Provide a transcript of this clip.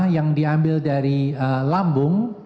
yang diambil dari lambung